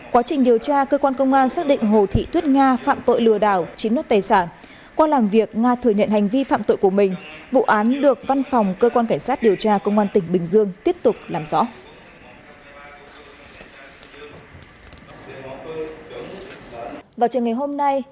quá trình điều tra cơ quan công an xác định hồ thị tuyết nga phạm tội lừa đảo chiếm đất tài sản qua làm việc nga thừa nhận hành vi phạm tội của mình vụ án được văn phòng cơ quan cảnh sát điều tra công an tỉnh bình dương tiếp tục làm rõ